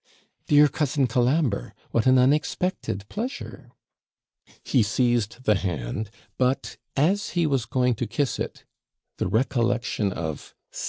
'Dear cousin Colambre, what an unexpected pleasure!' He seized the hand; but, as he was going to kiss it, the recollection of ST.